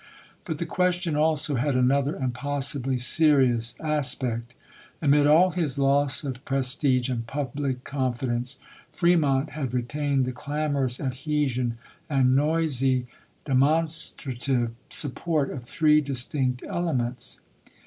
But the question also had another and possibly serious aspect. Amid all his loss of prestige and public confidence, Fre mont had retained the clamorous adhesion and noisy demonstrative support of three distinct ele ments.